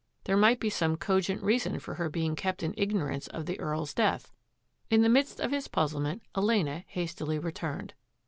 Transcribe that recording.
There might be some cogent reason for her being kept in ignorance of the EarPs death. In the midst of his puzzlement Elena hastily returned.